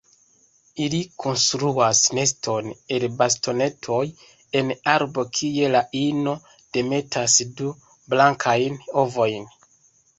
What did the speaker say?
Ili konstruas neston el bastonetoj en arbo kie la ino demetas du blankajn ovojn.